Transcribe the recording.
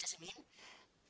tapi agak bunyi sedikitlah